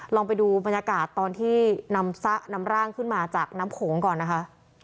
ลองไปดูบรรยากาศตอนที่นำร่างขึ้นมาจากน้ำโขงก่อนนะคะ